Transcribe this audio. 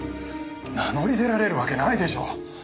名乗り出られるわけないでしょう。